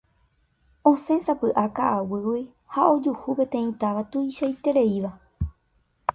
osẽsapy'a ka'aguýgui ha ojuhu peteĩ táva tuichaitereíva